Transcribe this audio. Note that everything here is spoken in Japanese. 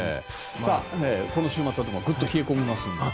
この週末はぐっと冷え込むので。